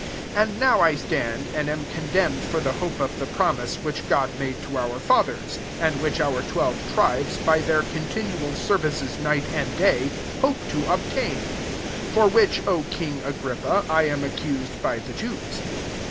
6 And now I stand and am condemned for the hope of the promise, which God made to our fathers : 7 and which our twelve tribes, by their continual services night and day, hope to obtain : for which hope, O king [y^grifi/ia], I am accused bj the Jews.